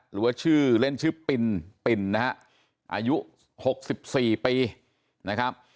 หรือว่าชื่อเล่นชื่อปินปินนะฮะอายุ๖๔ปีนะครับ